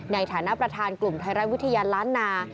ในฐานะประธานกลุ่มไทยรัฐวิทยาล้านนา